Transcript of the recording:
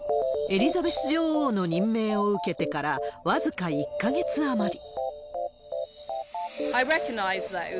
エリザベス女王の任命を受けてから僅か１か月余り。